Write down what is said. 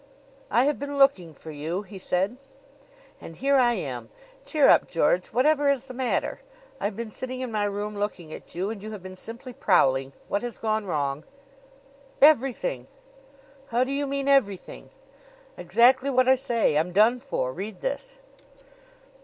"I have been looking for you," he said. "And here I am. Cheer up, George! Whatever is the matter? I've been sitting in my room looking at you, and you have been simply prowling. What has gone wrong?" "Everything!" "How do you mean everything?" "Exactly what I say. I'm done for. Read this."